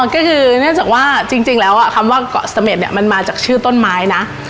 ก็คือเนื่องจากว่าจริงแล้วคำว่าเกาะเสม็ดเนี่ยมันมาจากชื่อต้นไม้นะ